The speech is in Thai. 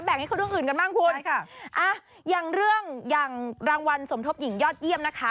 ให้เขาเรื่องอื่นกันบ้างคุณใช่ค่ะอ่ะอย่างเรื่องอย่างรางวัลสมทบหญิงยอดเยี่ยมนะคะ